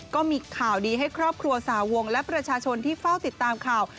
ก็มีข่าวดีให้ครอบครัวสาวงและประชาชนที่เฝ้าติดตามข่าว